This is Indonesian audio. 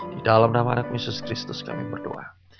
di dalam nama anak yesus kristus kami berdoa